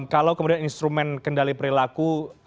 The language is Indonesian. kalau kemudian instrumen kendali perilaku